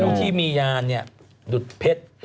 ที่มียานดุดเพชร